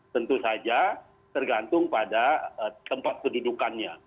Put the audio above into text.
tentu saja tergantung pada tempat kedudukannya